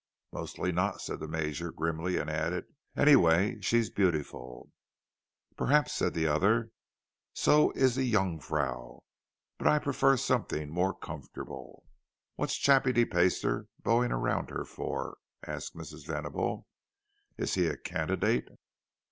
"Mostly not," said the Major, grimly; and added, "Anyway, she's beautiful." "Perhaps," said the other. "So is the Jungfrau; but I prefer something more comfortable." "What's Chappie de Peyster beauing her around for?" asked Mrs. Venable. "Is he a candidate?"